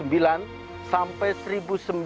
membuat kondisi yang lebih kuat